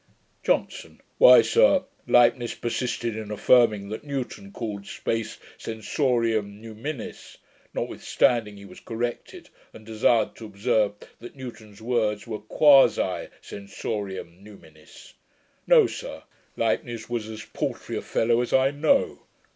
JOHNSON. 'Why, sir, Leibnitz persisted in affirming that Newton called space sensorium numinis, notwithstanding he was corrected, and desired to observe that Newton's words were quasisensorium numinis. No, sir, Leibnitz was as paltry a fellow as I know.